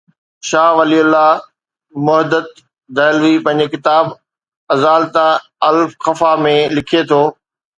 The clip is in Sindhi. شاهه ولي الله محدث دهلوي پنهنجي ڪتاب ”اِزالتا الخفا“ ۾ لکي ٿو.